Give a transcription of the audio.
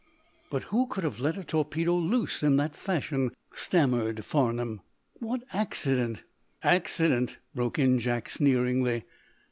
"But who could have let a torpedo loose in that fashion?" stammered Farnum. "What accident " "Accident!" broke in Jack, sneeringly.